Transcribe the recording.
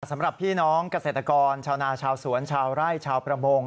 สำหรับพี่น้องเกษตรกรชาวนาชาวสวนชาวไร่ชาวประมง